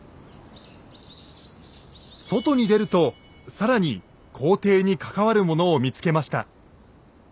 外に出ると更に皇帝に関わるものを見つけました。